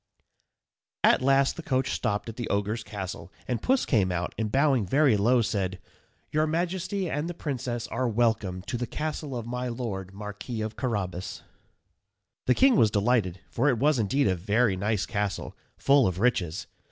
_ At last the coach stopped at the Ogre's castle, and Puss came out, and bowing very low, said, "Your majesty and the princess are welcome to the castle of my Lord Marquis of Carrabas." [Illustration: THE KING AND PRINCESS VISIT THE MARQUIS.] The king was delighted, for it was indeed a very nice castle, full of riches.